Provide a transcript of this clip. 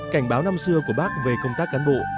cảnh báo năm xưa của bác về công tác cán bộ